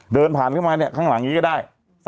เดินผ่านเข้ามาเนี่ยข้างหลังนี้ก็ได้